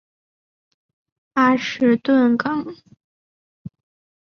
阿什顿巷。